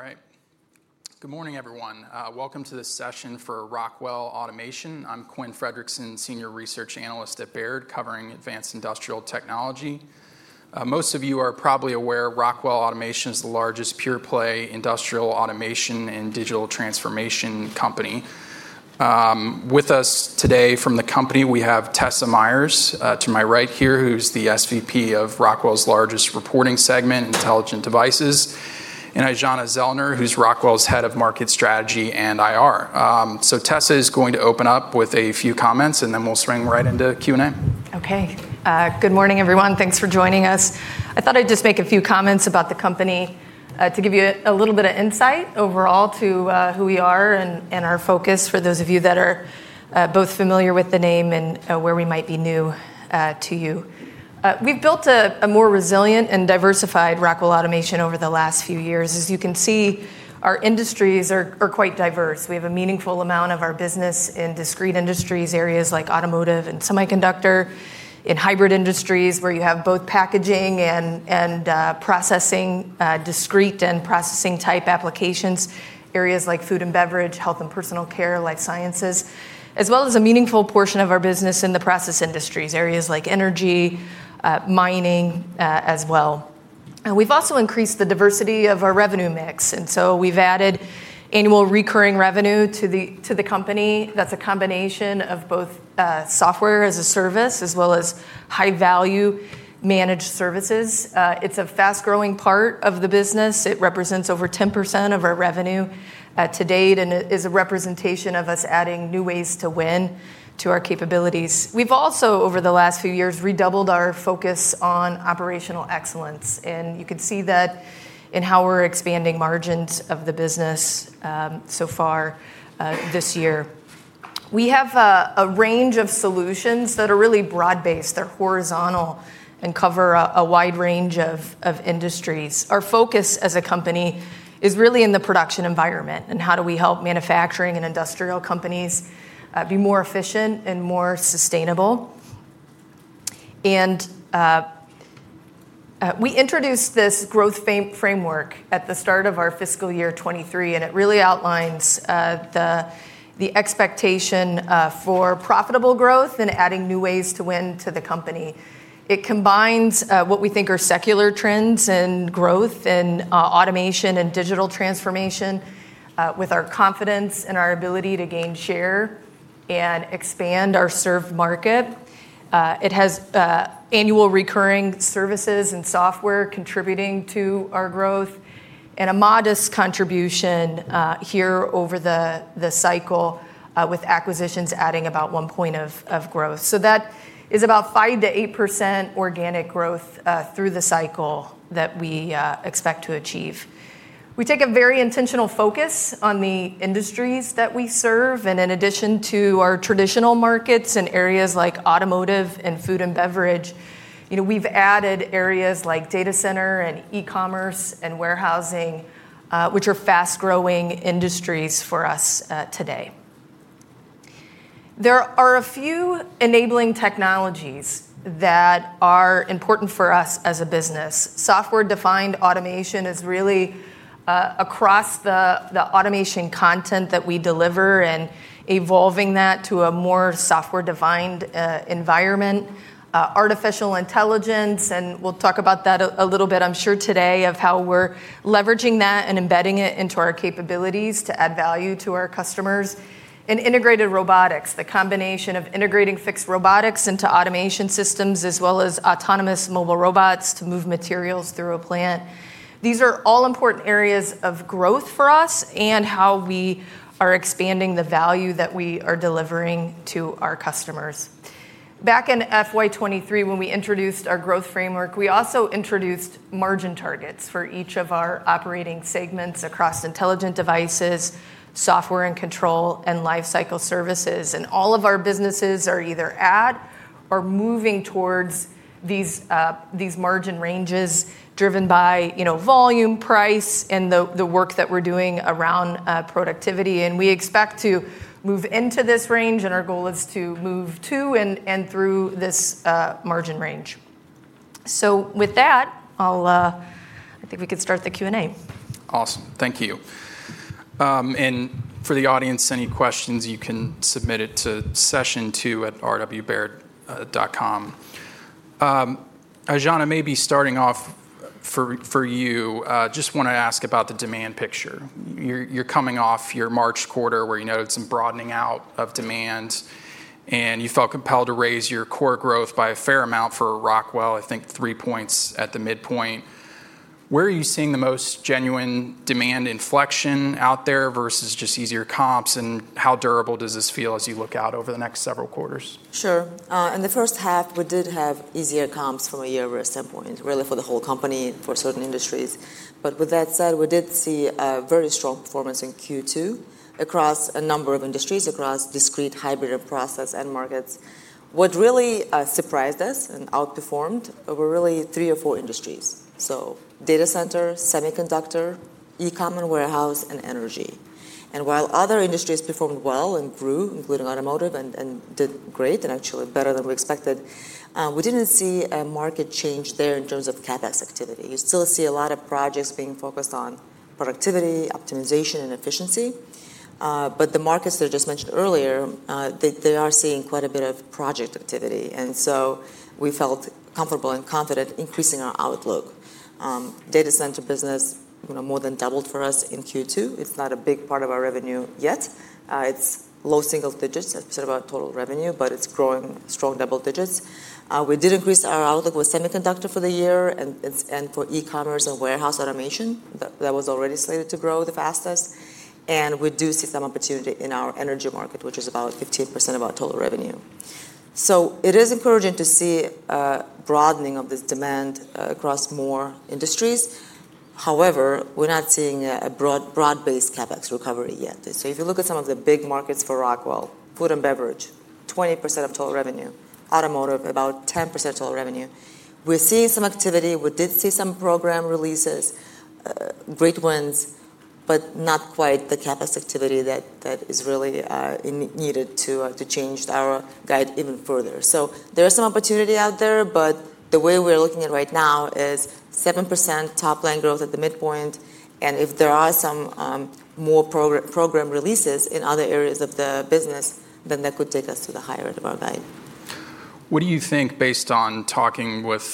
All right. Good morning, everyone. Welcome to this session for Rockwell Automation. I'm Quinn Fredrickson, Senior Research Analyst at Baird, covering advanced industrial technology. Most of you are probably aware Rockwell Automation is the largest pure-play industrial automation and digital transformation company. With us today from the company, we have Tessa Myers, to my right here, who's the SVP of Rockwell's largest reporting segment, Intelligent Devices, and Aijana Zellner, who's Rockwell's Head of Market Strategy and IR. Tessa is going to open up with a few comments, and then we'll swing right into Q&A. Okay. Good morning, everyone. Thanks for joining us. I thought I'd just make a few comments about the company to give you a little bit of insight overall to who we are and our focus, for those of you that are both familiar with the name and where we might be new to you. We've built a more resilient and diversified Rockwell Automation over the last few years. As you can see, our industries are quite diverse. We have a meaningful amount of our business in discrete industries, areas like automotive and semiconductor, in hybrid industries where you have both packaging and processing, discrete and processing type applications, areas like food and beverage, health and personal care, life sciences, as well as a meaningful portion of our business in the process industries, areas like energy, mining, as well. We've also increased the diversity of our revenue mix, and so we've added annual recurring revenue to the company. That's a combination of both software as a service as well as high-value managed services. It's a fast-growing part of the business. It represents over 10% of our revenue to date. It is a representation of us adding new ways to win to our capabilities. We've also, over the last few years, redoubled our focus on operational excellence, and you can see that in how we're expanding margins of the business so far this year. We have a range of solutions that are really broad-based. They're horizontal and cover a wide range of industries. Our focus as a company is really in the production environment, and how do we help manufacturing and industrial companies be more efficient and more sustainable. We introduced this growth framework at the start of our fiscal year 2023, and it really outlines the expectation for profitable growth and adding new ways to win to the company. It combines what we think are secular trends and growth in automation and digital transformation with our confidence in our ability to gain share and expand our served market. It has annual recurring services and software contributing to our growth, and a modest contribution here over the cycle with acquisitions adding about 1 point of growth. That is about 5%-8% organic growth through the cycle that we expect to achieve. We take a very intentional focus on the industries that we serve, and in addition to our traditional markets in areas like automotive and food and beverage, we've added areas like data center and e-commerce and warehousing, which are fast-growing industries for us today. There are a few enabling technologies that are important for us as a business. Software-defined automation is really across the automation content that we deliver and evolving that to a more software-defined environment. Artificial intelligence, and we'll talk about that a little bit, I'm sure, today, of how we're leveraging that and embedding it into our capabilities to add value to our customers. Integrated robotics, the combination of integrating fixed robotics into automation systems, as well as autonomous mobile robots to move materials through a plant. These are all important areas of growth for us and how we are expanding the value that we are delivering to our customers. Back in FY 2023, when we introduced our growth framework, we also introduced margin targets for each of our operating segments across Intelligent Devices, Software and Control, and Lifecycle Services. All of our businesses are either at or moving towards these margin ranges driven by volume, price, and the work that we're doing around productivity. We expect to move into this range. Our goal is to move to and through this margin range. With that, I think we can start the Q&A. Awesome. Thank you. For the audience, any questions, you can submit it to session2@rwbaird.com. Aijana, maybe starting off for you, just want to ask about the demand picture. You're coming off your March quarter where you noted some broadening out of demand, and you felt compelled to raise your core growth by a fair amount for Rockwell, I think three points at the midpoint. Where are you seeing the most genuine demand inflection out there versus just easier comps, and how durable does this feel as you look out over the next several quarters? Sure. In the first half, we did have easier comps from a year-over-year standpoint, really for the whole company, for certain industries. With that said, we did see a very strong performance in Q2 across a number of industries, across discrete, hybrid, and process end markets. What really surprised us and outperformed were really three or four industries. Data center, semiconductor, e-com and warehouse, and energy. While other industries performed well and grew, including automotive, and did great, and actually better than we expected, we didn't see a market change there in terms of CapEx activity. You still see a lot of projects being focused on productivity, optimization, and efficiency. The markets that I just mentioned earlier, they are seeing quite a bit of project activity. We felt comfortable and confident increasing our outlook. Data center business more than doubled for us in Q2. It's not a big part of our revenue yet. It's low single digits as a percent of our total revenue, but it's growing strong double digits. We did increase our outlook with semiconductor for the year and for e-commerce and warehouse automation, that was already slated to grow the fastest. We do see some opportunity in our energy market, which is about 15% of our total revenue. It is encouraging to see a broadening of this demand across more industries. However, we're not seeing a broad-based CapEx recovery yet. If you look at some of the big markets for Rockwell, food and beverage, 20% of total revenue, automotive, about 10% of total revenue. We're seeing some activity. We did see some program releases, great wins, but not quite the CapEx activity that is really needed to change our guide even further. There is some opportunity out there, but the way we're looking at it right now is 7% top-line growth at the midpoint. If there are some more program releases in other areas of the business, then that could take us to the higher end of our guide. What do you think, based on talking with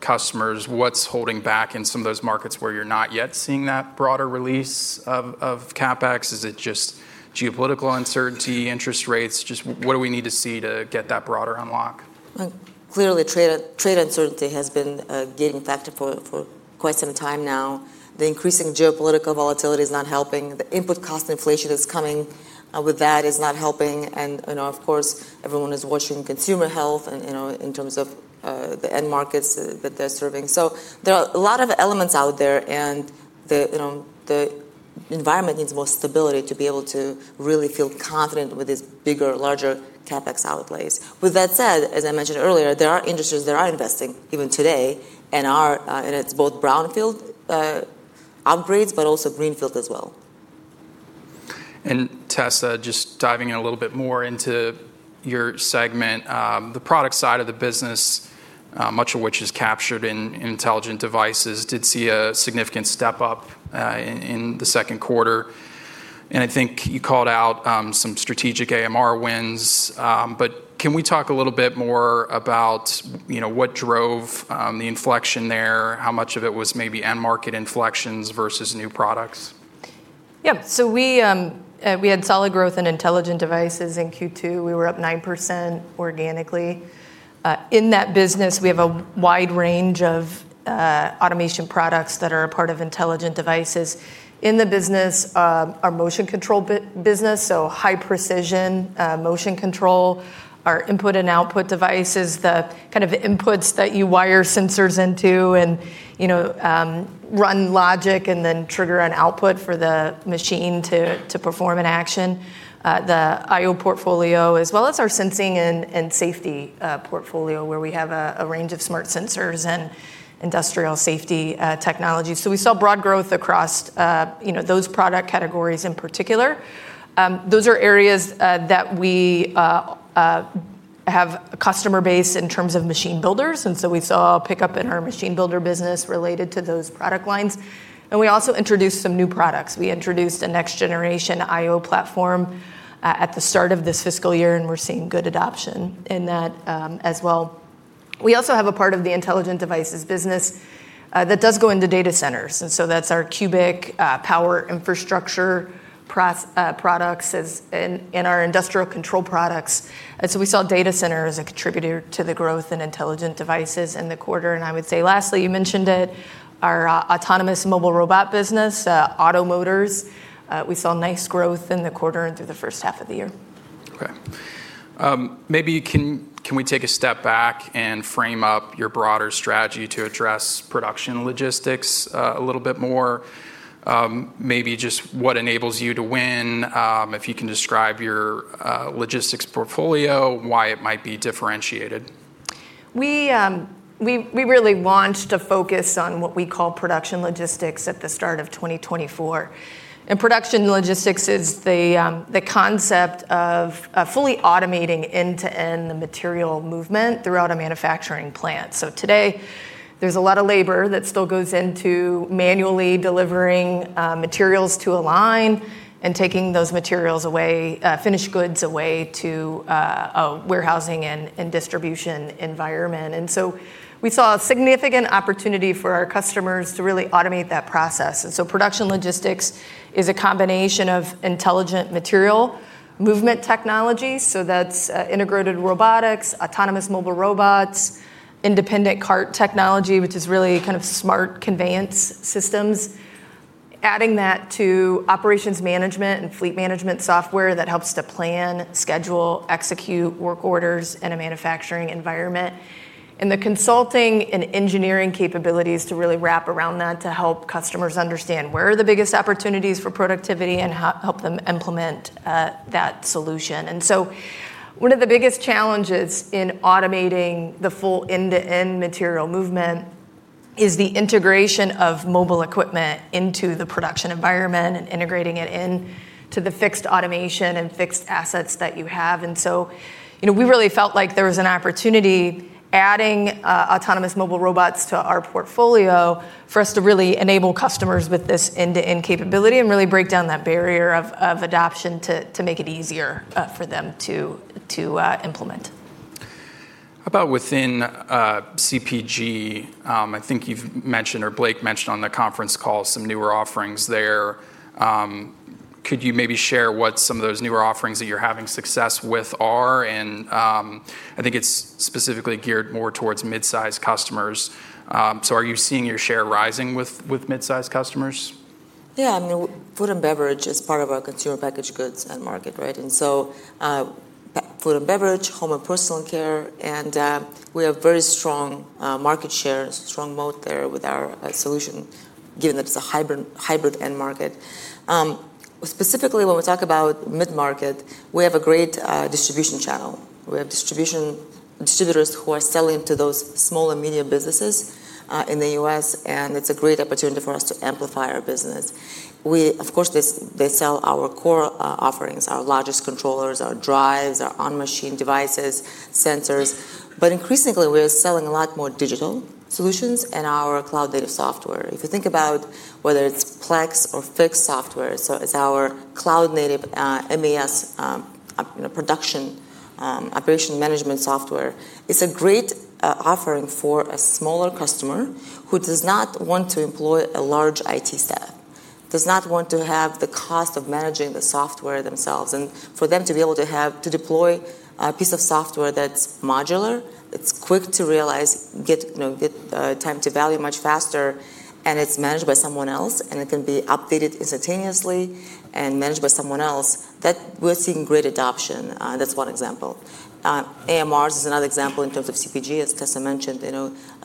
customers, what's holding back in some of those markets where you're not yet seeing that broader release of CapEx? Is it just geopolitical uncertainty, interest rates? Just what do we need to see to get that broader unlock? Clearly, trade uncertainty has been a guiding factor for quite some time now. The increasing geopolitical volatility is not helping. The input cost inflation that's coming with that is not helping, and of course, everyone is watching consumer health and in terms of the end markets that they're serving. There are a lot of elements out there, and the environment needs more stability to be able to really feel confident with these bigger, larger CapEx outlays. With that said, as I mentioned earlier, there are industries that are investing even today, and it's both brownfield upgrades, but also greenfield as well. Tessa, just diving in a little bit more into your segment, the product side of the business, much of which is captured in Intelligent Devices, did see a significant step-up in the second quarter. I think you called out some strategic AMR wins. Can we talk a little bit more about what drove the inflection there? How much of it was maybe end-market inflections versus new products? We had solid growth in Intelligent Devices in Q2. We were up 9% organically. In that business, we have a wide range of automation products that are a part of Intelligent Devices. In the business, our motion control business, high-precision motion control, our input and output devices, the kind of inputs that you wire sensors into and run logic and then trigger an output for the machine to perform an action, the I/O portfolio, as well as our sensing and safety portfolio, where we have a range of smart sensors and industrial safety technologies. We saw broad growth across those product categories in particular. Those are areas that we have a customer base in terms of machine builders. We saw a pickup in our machine builder business related to those product lines. We also introduced some new products. We introduced a next-generation I/O platform at the start of this fiscal year, and we're seeing good adoption in that as well. We also have a part of the Intelligent Devices business that does go into data centers, and so that's our CUBIC power infrastructure products and our industrial control products. We saw data center as a contributor to the growth in Intelligent Devices in the quarter. I would say, lastly, you mentioned it, our autonomous mobile robot business, OTTO Motors. We saw nice growth in the quarter and through the first half of the year. Maybe, can we take a step back and frame up your broader strategy to address Production Logistics a little bit more? Maybe just what enables you to win, if you can describe your logistics portfolio, why it might be differentiated. We really launched a focus on what we call Production Logistics at the start of 2024. Production Logistics is the concept of fully automating end-to-end the material movement throughout a manufacturing plant. Today, there's a lot of labor that still goes into manually delivering materials to a line and taking those finished goods away to a warehousing and distribution environment. We saw a significant opportunity for our customers to really automate that process. Production Logistics is a combination of intelligent material movement technology, so that's integrated robotics, autonomous mobile robots, independent cart technology, which is really kind of smart conveyance systems. Adding that to operations management and fleet management software that helps to plan, schedule, execute work orders in a manufacturing environment, and the consulting and engineering capabilities to really wrap around that to help customers understand where are the biggest opportunities for productivity and help them implement that solution. One of the biggest challenges in automating the full end-to-end material movement is the integration of mobile equipment into the production environment, and integrating it into the fixed automation and fixed assets that you have. We really felt like there was an opportunity adding autonomous mobile robots to our portfolio for us to really enable customers with this end-to-end capability, and really break down that barrier of adoption to make it easier for them to implement. How about within CPG? I think you've mentioned, or Blake mentioned on the conference call some newer offerings there. Could you maybe share what some of those newer offerings that you're having success with are? I think it's specifically geared more towards mid-size customers. Are you seeing your share rising with mid-size customers? Yeah. Food and beverage is part of our consumer packaged goods end market, right? Food and beverage, home and personal care, and we have very strong market share, strong moat there with our solution, given that it's a hybrid end market. Specifically, when we talk about mid-market, we have a great distribution channel. We have distributors who are selling to those small and medium businesses in the U.S., and it's a great opportunity for us to amplify our business. Of course, they sell our core offerings, our largest controllers, our drives, our on-machine devices, sensors. Increasingly, we are selling a lot more digital solutions in our cloud-native software. If you think about whether it's Plex or Fiix software, so it's our cloud-native MES production operation management software. It's a great offering for a smaller customer who does not want to employ a large IT staff, does not want to have the cost of managing the software themselves. For them to be able to deploy a piece of software that's modular, it's quick to realize, get time to value much faster, and it's managed by someone else, and it can be updated instantaneously and managed by someone else, we're seeing great adoption. That's one example. AMRs is another example in terms of CPG, as Tessa mentioned,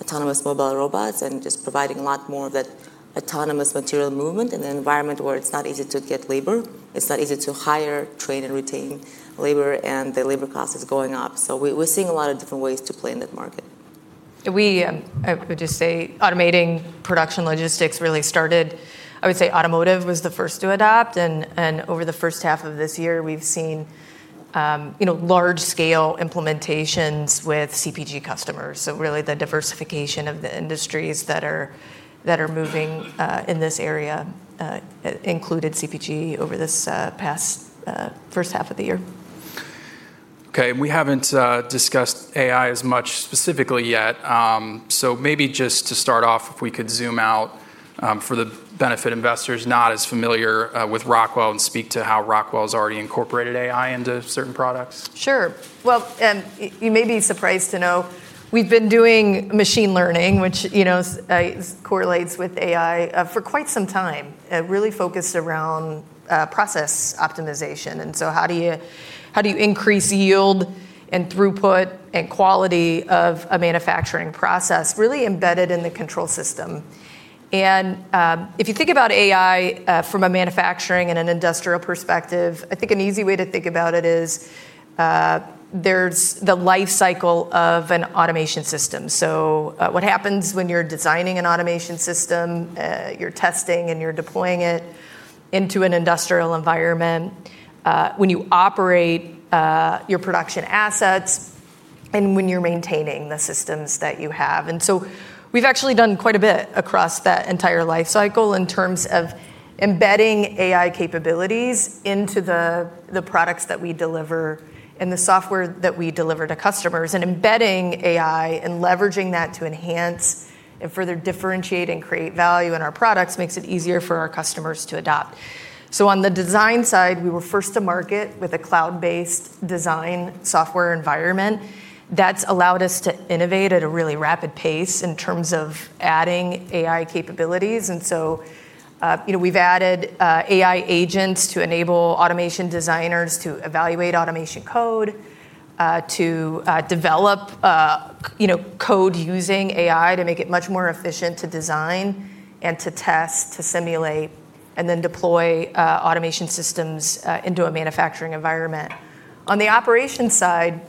autonomous mobile robots, and just providing a lot more of that autonomous material movement in an environment where it's not easy to get labor, it's not easy to hire, train, and retain labor, and the labor cost is going up. We're seeing a lot of different ways to play in that market. We, I would just say, automating Production Logistics really started, I would say automotive was the first to adopt. Over the first half of this year, we've seen large-scale implementations with CPG customers. Really the diversification of the industries that are moving in this area included CPG over this past first half of the year. We haven't discussed AI as much specifically yet. Maybe just to start off, if we could zoom out for the benefit of investors not as familiar with Rockwell, and speak to how Rockwell's already incorporated AI into certain products. Sure. You may be surprised to know, we've been doing machine learning, which correlates with AI, for quite some time, really focused around process optimization, how do you increase yield and throughput and quality of a manufacturing process really embedded in the control system. If you think about AI from a manufacturing and an industrial perspective, I think an easy way to think about it is, there's the life cycle of an automation system. What happens when you're designing an automation system, you're testing and you're deploying it into an industrial environment, when you operate your production assets, and when you're maintaining the systems that you have. We've actually done quite a bit across that entire life cycle in terms of embedding AI capabilities into the products that we deliver and the software that we deliver to customers. Embedding AI and leveraging that to enhance and further differentiate and create value in our products makes it easier for our customers to adopt. On the design side, we were first to market with a cloud-based design software environment that's allowed us to innovate at a really rapid pace in terms of adding AI capabilities, and so we've added AI agents to enable automation designers to evaluate automation code, to develop code using AI to make it much more efficient to design and to test, to simulate, and then deploy automation systems into a manufacturing environment. On the operations side,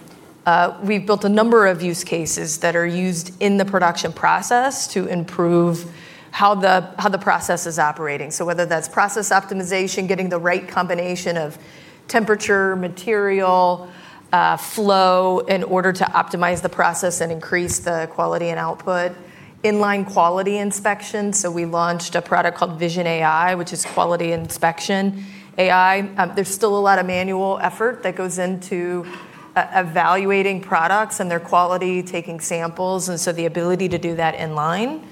we've built a number of use cases that are used in the production process to improve how the process is operating. Whether that's process optimization, getting the right combination of temperature, material flow in order to optimize the process and increase the quality and output. Inline quality inspection, we launched a product called VisionAI, which is quality inspection AI. There's still a lot of manual effort that goes into evaluating products and their quality, taking samples, and so the ability to do that inline,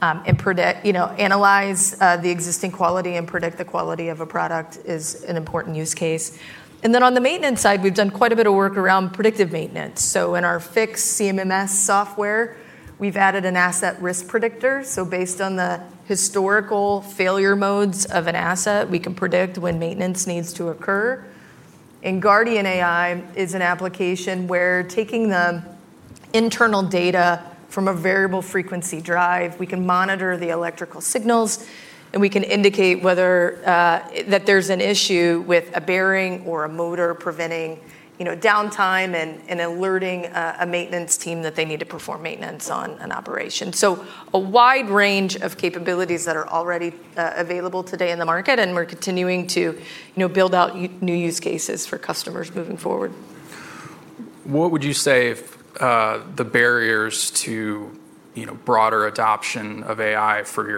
and analyze the existing quality and predict the quality of a product is an important use case. On the maintenance side, we've done quite a bit of work around predictive maintenance. In our Fiix CMMS software, we've added an Asset Risk Predictor. Based on the historical failure modes of an asset, we can predict when maintenance needs to occur. GuardianAI is an application where taking the internal data from a variable frequency drive. We can monitor the electrical signals. We can indicate whether that there's an issue with a bearing or a motor preventing downtime and alerting a maintenance team that they need to perform maintenance on an operation. A wide range of capabilities that are already available today in the market. We're continuing to build out new use cases for customers moving forward. What would you say the barriers to broader adoption of AI for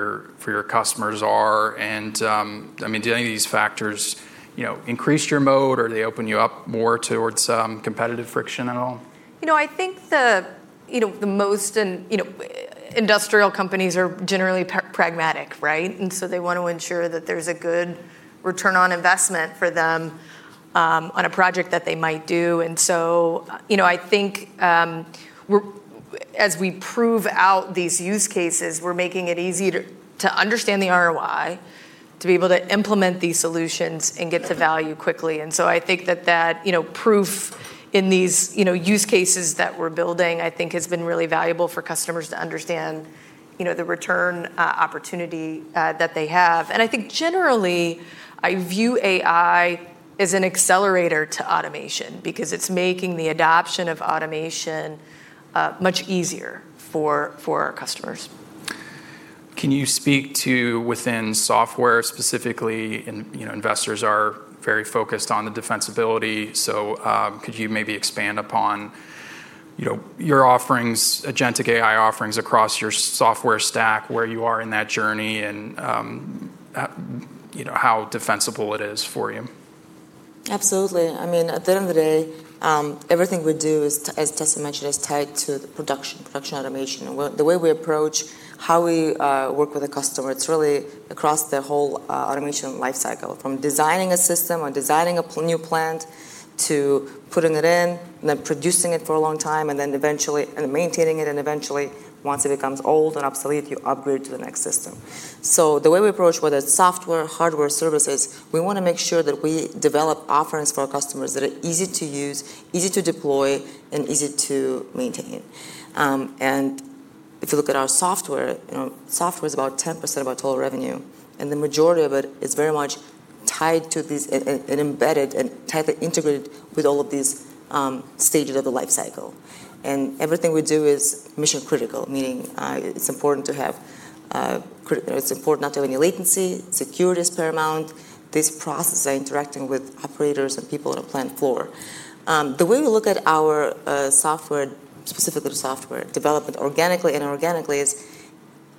your customers are? Do any of these factors increase your mode, or they open you up more towards competitive friction at all? Industrial companies are generally pragmatic, right? They want to ensure that there's a good return on investment for them on a project that they might do. I think as we prove out these use cases, we're making it easy to understand the ROI, to be able to implement these solutions and get the value quickly. I think that proof in these use cases that we're building, I think has been really valuable for customers to understand the return opportunity that they have. I think generally, I view AI as an accelerator to automation because it's making the adoption of automation much easier for our customers. Can you speak to within software specifically, investors are very focused on the defensibility. Could you maybe expand upon your agentic AI offerings across your software stack, where you are in that journey, and how defensible it is for you? Absolutely. At the end of the day, everything we do is, as Tessa mentioned, is tied to the production automation. The way we approach how we work with a customer, it's really across their whole automation life cycle. From designing a system or designing a new plant, to putting it in, then producing it for a long time, maintaining it, eventually once it becomes old and obsolete, you upgrade to the next system. The way we approach, whether it's software, hardware, or services, we want to make sure that we develop offerings for our customers that are easy to use, easy to deploy, and easy to maintain. If you look at our software, software's about 10% of our total revenue. The majority of it is very much tied to this and embedded and tightly integrated with all of these stages of the life cycle. Everything we do is mission-critical, meaning it's important not to have any latency, security is paramount. These processes are interacting with operators and people on a plant floor. The way we look at our software, specifically the software development organically and inorganically, is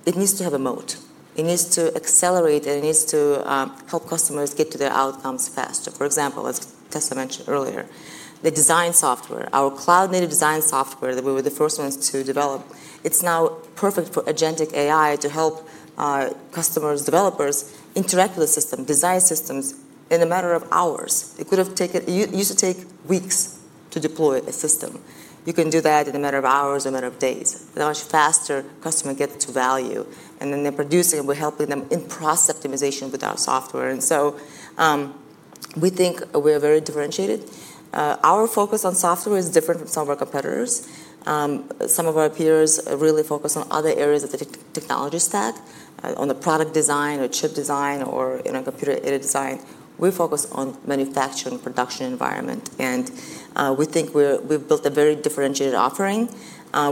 it needs to have a moat. It needs to accelerate, and it needs to help customers get to their outcomes faster. For example, as Tessa mentioned earlier, the design software, our cloud-native design software that we were the first ones to develop, it's now perfect for agentic AI to help our customers, developers, interact with the system, design systems in a matter of hours. It used to take weeks to deploy a system. You can do that in a matter of hours or a matter of days. They're much faster, customer gets to value, and then they're producing, we're helping them in process optimization with our software. We think we're very differentiated. Our focus on software is different from some of our competitors. Some of our peers really focus on other areas of the technology stack, on the product design or chip design, or computer-aided design. We focus on manufacturing production environment, and we think we've built a very differentiated offering.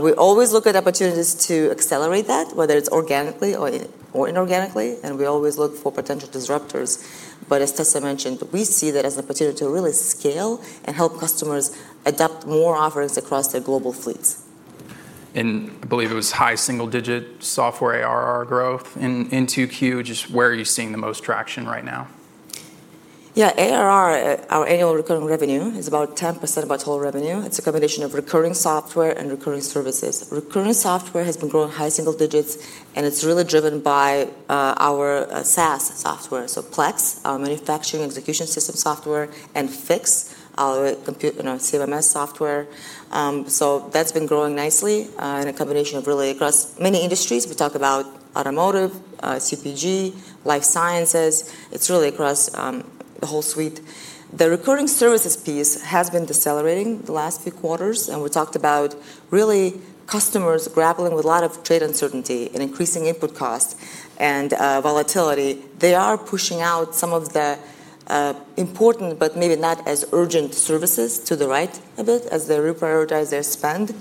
We always look at opportunities to accelerate that, whether it's organically or inorganically, and we always look for potential disruptors. As Tessa mentioned, we see that as an opportunity to really scale and help customers adopt more offerings across their global fleets. I believe it was high single-digit software ARR growth in 2Q. Just where are you seeing the most traction right now? ARR, our annual recurring revenue, is about 10% of our total revenue. It's a combination of recurring software and recurring services. Recurring software has been growing high single digits. It's really driven by our SaaS software. Plex, our manufacturing execution system software, and Fiix, our computer and our CMMS software. That's been growing nicely in a combination of really across many industries. We talk about automotive, CPG, life sciences. It's really across the whole suite. The recurring services piece has been decelerating the last few quarters. We talked about really customers grappling with a lot of trade uncertainty and increasing input costs and volatility. They are pushing out some of the important but maybe not as urgent services to the right a bit as they reprioritize their spend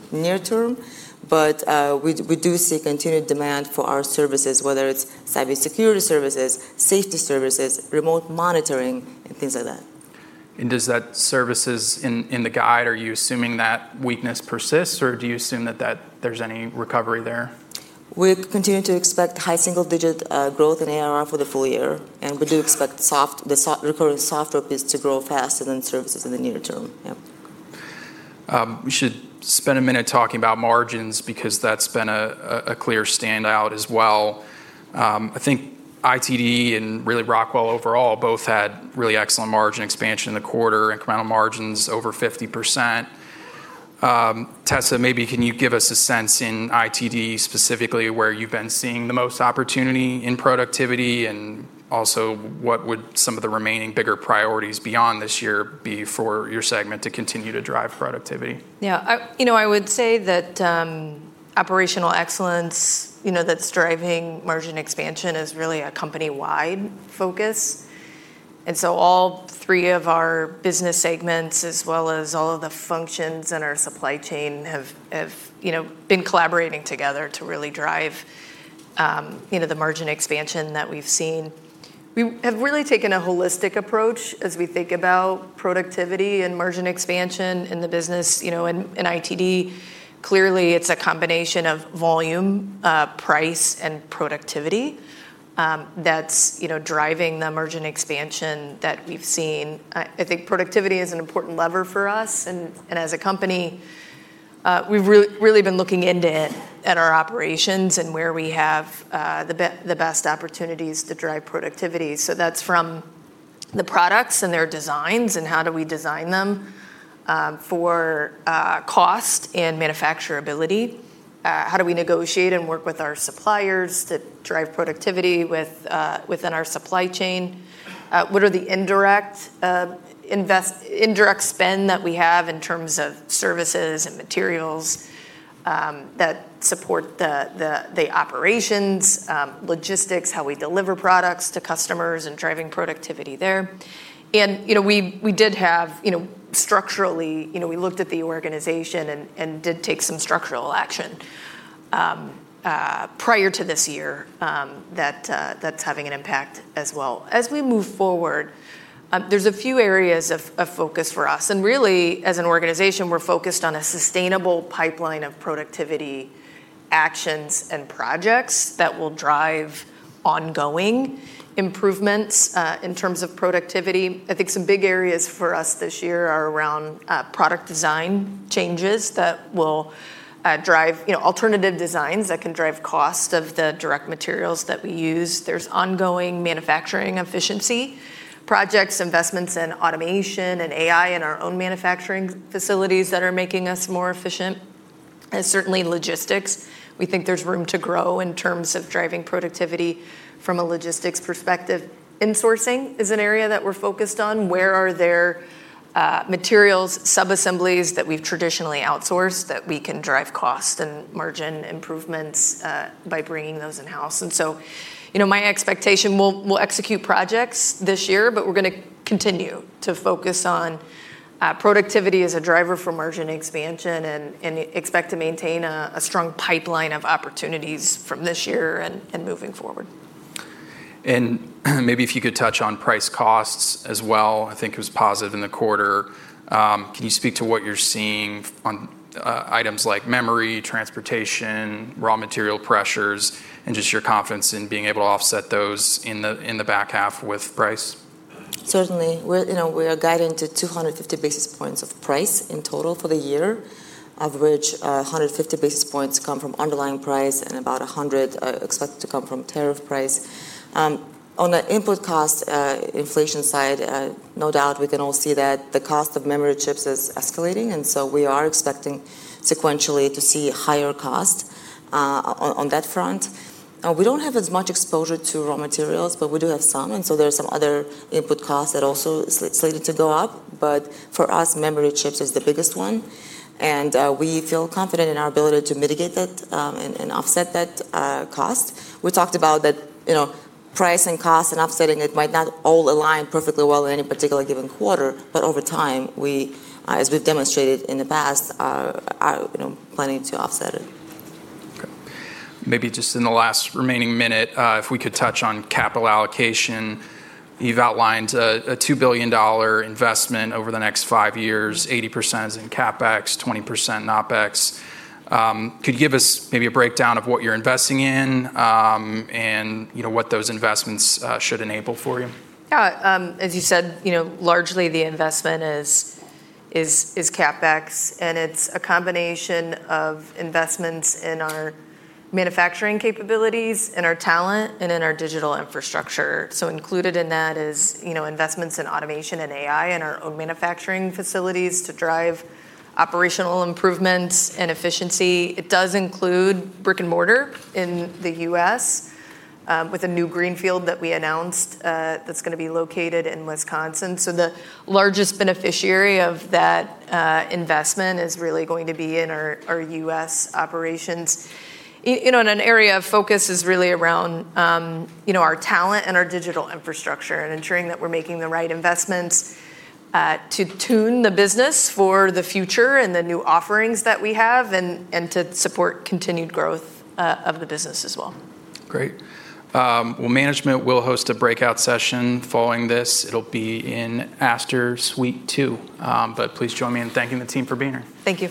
near-term. We do see continued demand for our services, whether it's cybersecurity services, safety services, remote monitoring, and things like that. Does that services in the guide, are you assuming that weakness persists, or do you assume that there's any recovery there? We continue to expect high single-digit growth in ARR for the full year, and we do expect the recurring software piece to grow faster than services in the near term. Yep. We should spend a minute talking about margins because that's been a clear standout as well. I think ITD and really Rockwell overall both had really excellent margin expansion in the quarter, incremental margins over 50%. Tessa, maybe can you give us a sense in ITD specifically where you've been seeing the most opportunity in productivity, and also what would some of the remaining bigger priorities beyond this year be for your segment to continue to drive productivity? Yeah. I would say that operational excellence that's driving margin expansion is really a company-wide focus. All three of our business segments, as well as all of the functions in our supply chain have been collaborating together to really drive the margin expansion that we've seen. We have really taken a holistic approach as we think about productivity and margin expansion in the business. In ITD, clearly, it's a combination of volume, price, and productivity that's driving the margin expansion that we've seen. I think productivity is an important lever for us, and as a company, we've really been looking into it at our operations and where we have the best opportunities to drive productivity. That's from the products and their designs, and how do we design them for cost and manufacturability? How do we negotiate and work with our suppliers to drive productivity within our supply chain? What are the indirect spend that we have in terms of services and materials that support the operations, logistics, how we deliver products to customers, and driving productivity there. Structurally, we looked at the organization and did take some structural action prior to this year that's having an impact as well. As we move forward, there's a few areas of focus for us and really, as an organization, we're focused on a sustainable pipeline of productivity actions and projects that will drive ongoing improvements in terms of productivity. I think some big areas for us this year are around product design changes that will drive alternative designs that can drive cost of the direct materials that we use. There's ongoing manufacturing efficiency projects, investments in automation and AI in our own manufacturing facilities that are making us more efficient, and certainly logistics. We think there's room to grow in terms of driving productivity from a logistics perspective. Insourcing is an area that we're focused on. Where are there materials, sub-assemblies that we've traditionally outsourced that we can drive cost and margin improvements by bringing those in-house? My expectation, we'll execute projects this year, but we're going to continue to focus on productivity as a driver for margin expansion and expect to maintain a strong pipeline of opportunities from this year and moving forward. Maybe if you could touch on price costs as well. I think it was positive in the quarter. Can you speak to what you're seeing on items like memory, transportation, raw material pressures, and just your confidence in being able to offset those in the back half with price? Certainly. We are guiding to 250 basis points of price in total for the year, of which 150 basis points come from underlying price. About 100 basis points are expected to come from tariff price. On the input cost inflation side, no doubt we can all see that the cost of memory chips is escalating. We are expecting sequentially to see higher cost on that front. We don't have as much exposure to raw materials, but we do have some. There's some other input costs that are also slated to go up. For us, memory chips is the biggest one, and we feel confident in our ability to mitigate that and offset that cost. We talked about that price and cost and offsetting it might not all align perfectly well in any particular given quarter, but over time, as we've demonstrated in the past, are planning to offset it. Maybe just in the last remaining minute, if we could touch on capital allocation. You've outlined a $2 billion investment over the next five years, 80% is in CapEx, 20% in OpEx. Could you give us maybe a breakdown of what you're investing in, and what those investments should enable for you? As you said, largely the investment is CapEx, it's a combination of investments in our manufacturing capabilities, in our talent, and in our digital infrastructure. Included in that is investments in automation and AI in our own manufacturing facilities to drive operational improvements and efficiency. It does include brick and mortar in the U.S. with a new greenfield that we announced that's going to be located in Wisconsin. The largest beneficiary of that investment is really going to be in our U.S. operations. An area of focus is really around our talent and our digital infrastructure and ensuring that we're making the right investments to tune the business for the future and the new offerings that we have, and to support continued growth of the business as well. Great. Well, management will host a breakout session following this. It'll be in Astor Suite 2. Please join me in thanking the team for being here. Thank you.